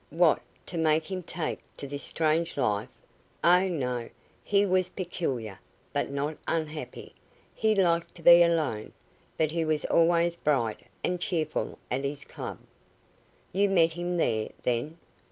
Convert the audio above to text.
"What, to make him take to this strange life? Oh, no. He was peculiar, but not unhappy. He liked to be alone, but he was always bright and cheerful at his club." "You met him there, then?"